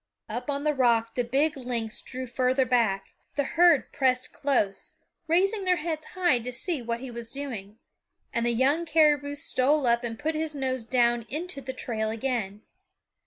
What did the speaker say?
Up on the rock the big lynx drew further back; the herd pressed close, raising their heads high to see what he was doing; and the young caribou stole up and put his nose down into the trail again.